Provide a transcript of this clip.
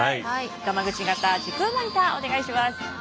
ガマグチ型時空モニターお願いします。